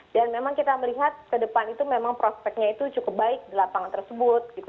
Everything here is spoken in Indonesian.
dan memang kita melihat ke depan itu memang prospeknya itu cukup baik di lapangan tersebut